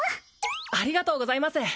ありがとうございます